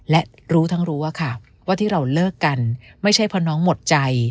และรู้ทั้งรู้ว่าค่ะว่าที่เราเลิกกันไม่ใช่เพราะน้องหมดใจ